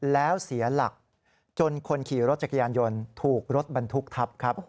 แล้วเสียหลักจนคนขี่รถจักรยานยนต์ถูกรถบรรทุกทับครับ